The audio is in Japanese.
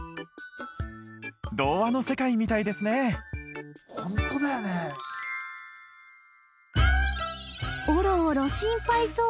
童話の世界みたいですねオロオロ